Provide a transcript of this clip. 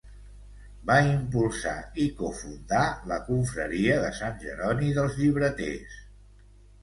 Va impulsar i cofundar la Confraria de Sant Jeroni dels Llibreters.